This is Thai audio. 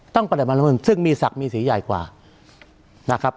ต้องปฏิบัติซึ่งมีศักดิ์มีสีใหญ่กว่านะครับ